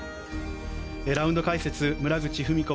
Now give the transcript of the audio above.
ラウンド解説、村口史子